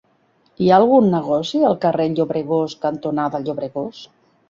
Hi ha algun negoci al carrer Llobregós cantonada Llobregós?